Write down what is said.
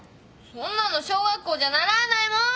そんなの小学校じゃ習わないもん。